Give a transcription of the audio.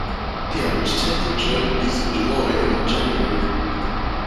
The average temperature is in July and in January.